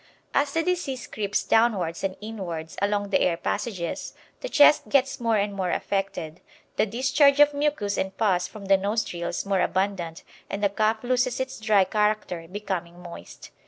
As the disease creeps downwards and inwards along the air passages, the chest gets more and more affected, the discharge of mucus and pus from the nostrils more abundant, and the cough loses its dry character, becoming moist.